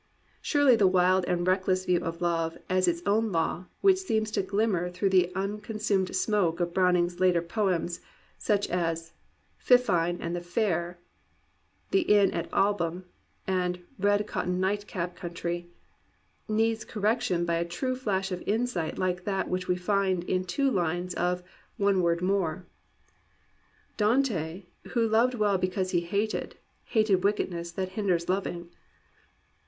Surely the wild and reckless view of love as its own law which seems to glimmer through the unconsumed smoke of Browning's later poems, such as Fifine at the Fair, The Inn Albums and Red Cotton Nightcap Country, needs correction by a true flash of insight like that which we find in two lines of One Word More :*^ Dante, who loved well because he hated. Hated wickedness that hinders loving.